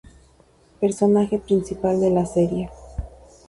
Personaje principal de la serie.